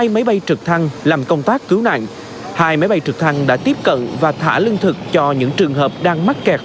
hai máy bay trực thăng đã tiếp cận và thả lưng thực cho những trường hợp đang mắc kẹt